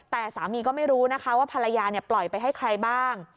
แต่สามีก็ไม่รู้นะคะว่าภรรยาปล่อยไปให้ใครบ้าง